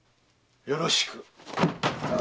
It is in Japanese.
よろしく。